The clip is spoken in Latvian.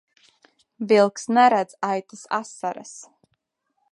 Vilks neredz aitas asaras.